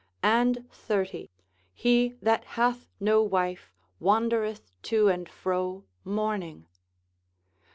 And 30, He that hath no wife wandereth to and fro mourning.